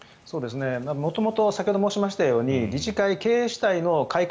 元々先ほど申しましたように理事会、経営主体の改革